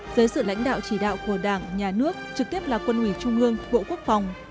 dưới sự lãnh đạo chỉ đạo của đảng nhà nước trực tiếp là quân ủy trung ương bộ quốc phòng